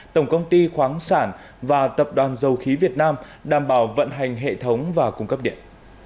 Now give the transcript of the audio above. tổng công ty khoáng sản và tập đoàn dầu khí việt nam đảm bảo vận hành hệ thống và cung cấp điện